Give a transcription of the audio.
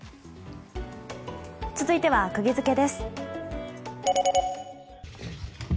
続いてはクギヅケです。